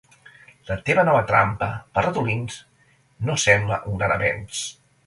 La teva nova trampa per ratolins no sembla un gran avenç.